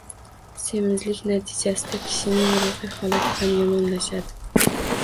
Semizlik natijasida kishining ruhiy holati ham yomonlashadi.